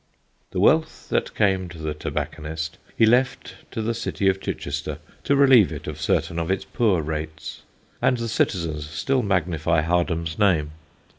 The wealth that came to the tobacconist he left to the city of Chichester to relieve it of certain of its poor rates; and the citizens still magnify Hardham's name.